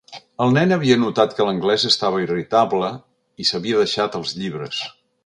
El nen havia notat que l'anglès estava irritable i s'havia deixat els llibres.